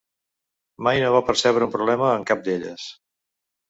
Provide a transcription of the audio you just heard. Mai no va percebre un problema en cap d'elles.